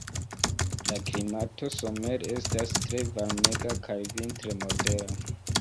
La klimato somere estas tre varmega kaj vintre modera.